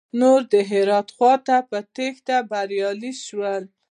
نور د هرات خواته په تېښته بريالي شول.